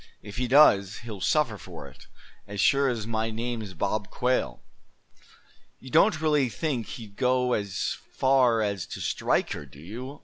If he does, he'll suffer for it, as sure as my name's Bob Quail." "You don't really think he'd go as far as to strike her, do you?"